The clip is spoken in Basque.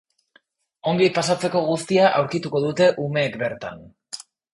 Ongi pasatzeko guztia aurkituko dute umeek bertan.